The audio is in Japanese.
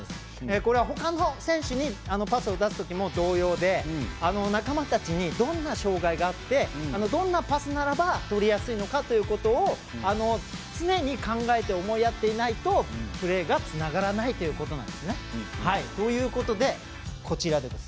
これは、ほかの選手にパスを出すときも同様で仲間たちにどんな障がいがあってどんなパスならばとりやすいのかということを常に考えて思いやっていないとプレーがつながらないということなんですね。ということで、こちらです。